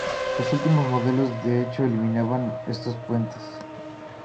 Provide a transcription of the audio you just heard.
Los últimos modelos de hecho eliminaban esos puentes.